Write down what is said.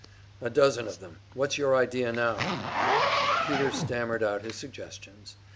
"A dozen of them. What's your idea now?" Peter stammered out his suggestions.